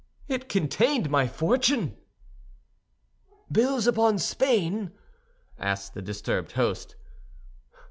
"It contained my fortune!" "Bills upon Spain?" asked the disturbed host.